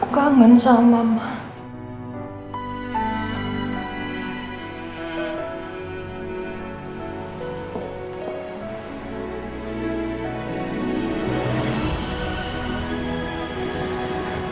aku kangen sama mbak